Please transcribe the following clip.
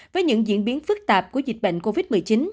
với những diễn biến phức tạp của dịch bệnh covid một mươi chín